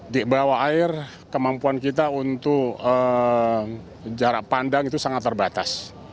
di bawah air kemampuan kita untuk jarak pandang itu sangat terbatas